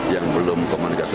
yang belum komunikasi